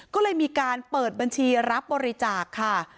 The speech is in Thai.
ก็เลยมีการเปิดบัญชีรับบริจาคค่ะ